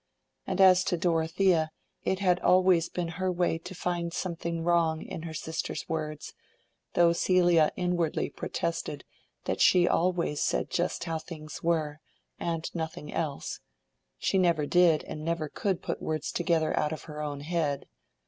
And as to Dorothea, it had always been her way to find something wrong in her sister's words, though Celia inwardly protested that she always said just how things were, and nothing else: she never did and never could put words together out of her own head.